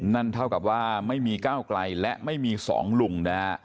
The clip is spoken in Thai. นั่นเท่ากับว่าไม่มีก้าวไกลและไม่มีสองลุงนะฮะ